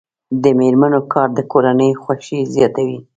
د میرمنو کار د کورنۍ خوښۍ زیاتوي.